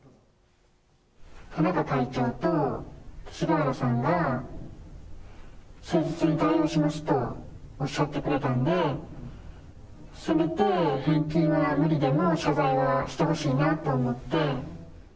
田中会長と勅使河原さんが、誠実に対応しますとおっしゃってくれたので、せめて返金は無理でも、謝罪はしてほしいなと思って。